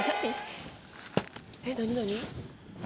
えっ何何？